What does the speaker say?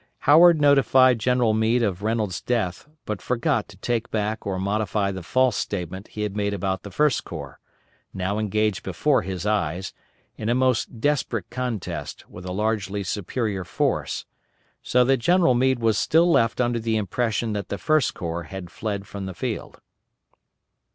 Howard notified General Meade of Reynolds' death, but forgot to take back or modify the false statement he had made about the First Corps, now engaged before his eyes, in a most desperate contest with a largely superior force; so that General Meade was still left under the impression that the First Corps had fled from the field.